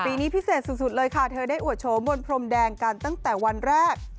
ปีนี้พิเศษสุดเลยค่ะเธอได้อวดโฉมบนพรมแดงกันตั้งแต่วันแรก